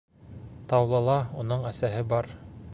Таулыла уның әсәһе бар.